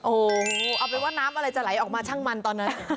โอ้โหเอาเป็นว่าน้ำอะไรจะไหลออกมาช่างมันตอนนั้น